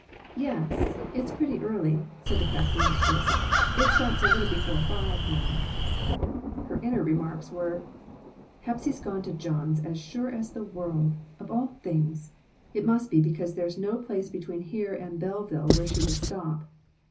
"Yes, it's pretty early," said the crafty mis tress; "it starts a little before five, now." Her inner remarks were " Hepsy's gone to John's as sure as the world! Of all things ! It must be, because there's no place between here and Belleville where she would stop.